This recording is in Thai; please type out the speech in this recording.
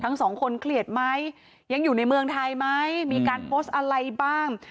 ทั้งสองคนเครียดไหมยังอยู่ในเมืองไทยไหมมีการโพสต์อะไรบ้าง